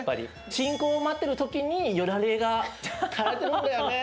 信号を待ってる時によだれがたれてるんだよね。